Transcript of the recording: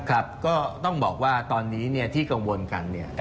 ครับก็ต้องบอกว่าตอนนี้ที่กังวลกันเนี่ย